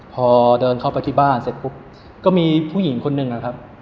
พอเดินเข้าไปที่บ้านเสร็จปุ๊บก็มีผู้หญิงคนหนึ่งนะครับ